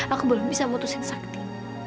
aku belum bisa memutuskan sakti